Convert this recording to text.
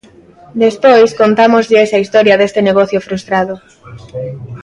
Despois, contámoslles a historia deste negocio frustrado.